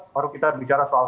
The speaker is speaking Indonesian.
baru kita bicara soal